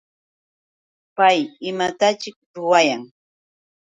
¿Pay imataćhik ruwayan?